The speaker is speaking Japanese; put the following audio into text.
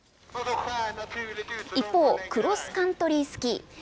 一方、クロスカントリースキー。